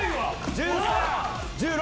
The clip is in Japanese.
１６！